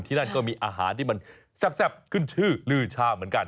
นั่นก็มีอาหารที่มันแซ่บขึ้นชื่อลือชาเหมือนกัน